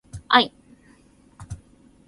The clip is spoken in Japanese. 愛